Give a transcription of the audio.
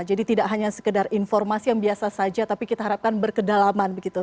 jadi tidak hanya sekedar informasi yang biasa saja tapi kita harapkan berkedalaman